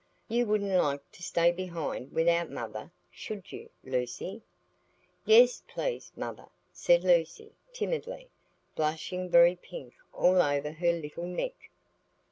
"You wouldn't like to stay behind without mother, should you, Lucy?" "Yes, please, mother," said Lucy, timidly, blushing very pink all over her little neck.